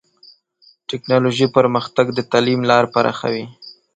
ټکنالوژي پرمختګ د تعلیم لار پراخوي.